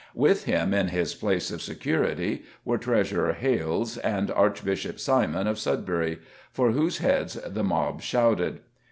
With him in his place of security were Treasurer Hales and Archbishop Simon of Sudbury, for whose heads the mob shouted.